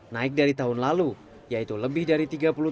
naik dari tahun lalu yaitu lebih dari tiga puluh tujuh delapan ratus